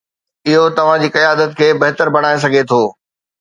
اهو توهان جي قيادت کي بهتر بڻائي سگهي ٿو.